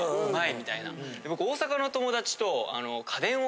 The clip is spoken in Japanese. みたいな。